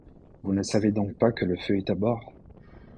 Vous ne savez donc pas que le feu est à bord!